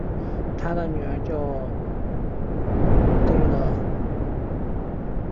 他的女儿叫格萝德。